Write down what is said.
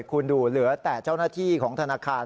คุณดูเหลือแต่เจ้าหน้าที่ของธนาคาร